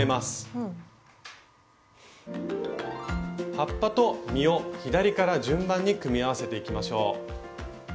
葉っぱと実を左から順番に組み合わせていきましょう。